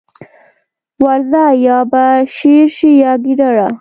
ورځه! يا به شېر شې يا ګيدړه.